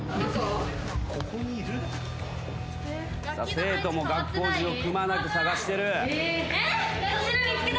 生徒も学校中をくまなく捜してる。